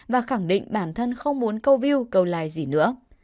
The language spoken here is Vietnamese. và khẳng định bản thân không muốn câu view câu like gì nữa